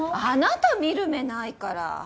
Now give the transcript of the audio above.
あなた見る目ないから。